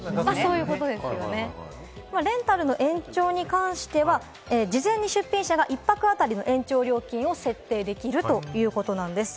レンタルの延長に関しては、事前に出品者が１泊当たりの延長料金を設定できるということなんです。